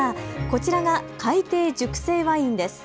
こちらが海底熟成ワインです。